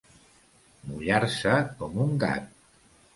Mullar-se com un gat.